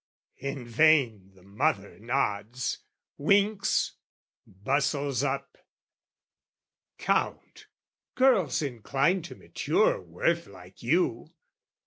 In vain the mother nods, winks, bustles up "Count, girls incline to mature worth like you!